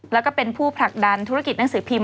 แล้วก็เป็นผู้ผลักดันธุรกิจหนังสือพิมพ